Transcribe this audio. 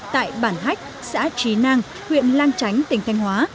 tại bản hách xã trí nang huyện lan tránh tỉnh thanh hóa